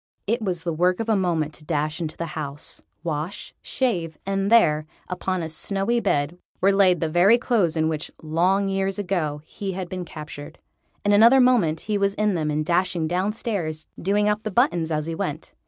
It was the work of a moment to dash into the house, wash, shave, and there, upon a snowy bed, were laid the very clothes in which long years ago he had been captured. In another moment he was in them and dashing downstairs, doing up the buttons as he went.